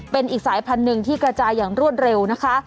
เป็นอีกสายพันธุ์หนึ่งที่กระจายอย่างรวดเร็วนะคะ